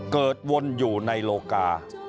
เกิดวนอยู่ในโลกา